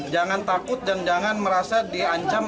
jangan takut dan jangan merasa diancam